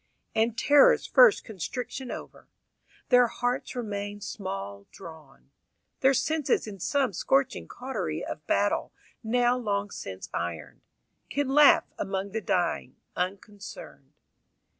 And terror's first constriction over, Their hearts remain small drawn. Their senses in some scorching cautery of battle Now long since ironed, Can laugh among the dying, unconcerned.